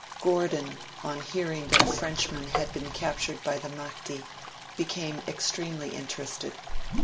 Gordon, on hearing that a Frenchman had been captured by the Mahdi, became extremely interested.